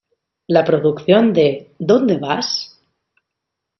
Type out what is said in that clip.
La producción de ¿Dónde vas?